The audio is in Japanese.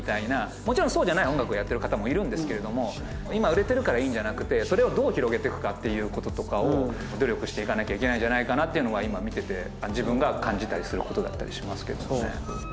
もちろんそうじゃない音楽をやってる方もいるんですけど今売れてるからいいんじゃなくてそれをどう広げていくかっていうこととかを努力していかなきゃいけないんじゃないかなっていうのが今見てて自分が感じたりすることだったりしますけどね。